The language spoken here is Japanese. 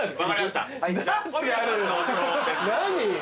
何？